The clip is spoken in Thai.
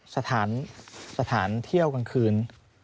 สถานเที่ยวกลางคืน